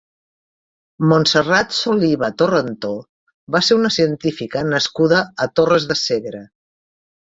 Montserrat Soliva Torrentó va ser una científica nascuda a Torres de Segre.